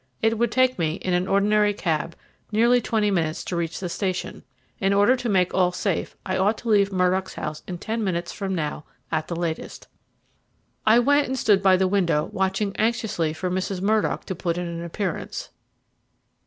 It would take me, in an ordinary cab, nearly twenty minutes to reach the station. In order to make all safe I ought to leave Murdock's house in ten minutes from now at the latest. I went and stood by the window watching anxiously for Mrs. Murdock to put in an appearance.